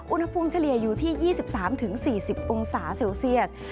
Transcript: อุณหภูมิเฉลี่ยอยู่ที่๒๓๔๐องศาเซลเซียส